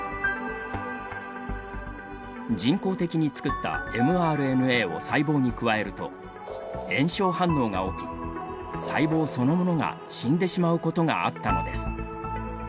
人工的に作ったｍＲＮＡを細胞に加えると炎症反応が起き細胞そのものが死んでしまうことがあったのです。